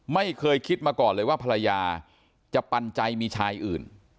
ไม่เคยคิดมาก่อนเลยว่าภรรยาจะปันใจมีชายอื่น